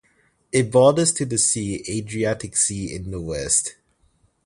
It borders to the sea Adriatic Sea in the west.